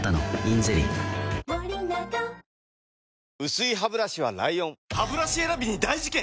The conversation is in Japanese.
薄いハブラシは ＬＩＯＮハブラシ選びに大事件！